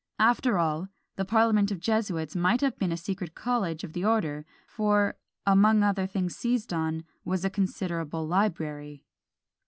After all, the parliament of Jesuits might have been a secret college of the order; for, among other things seized on, was a considerable library.